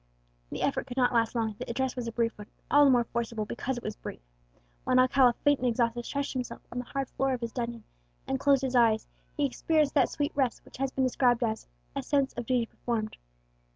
The effort could not last long; the address was a brief one, and all the more forcible because it was brief. When Alcala, faint and exhausted, stretched himself on the hard floor of his dungeon, and closed his eyes, he experienced that sweet rest which has been described as "a sense of duty performed."